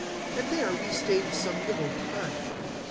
And there we stayed some little time.